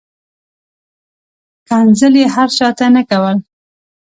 ښکنځل یې هر چاته نه کول.